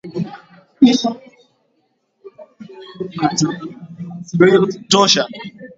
Asilimia kubwa ya wanyama walioambukizwa ugonjwa watakufa